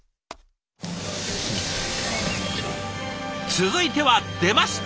続いては出ました！